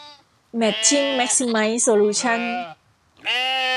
แม็ทชิ่ง แม็กซิไมซ์ โซลูชั่น